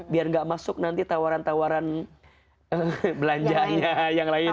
biar gak masuk nanti tawaran tawaran belanjaan yang lain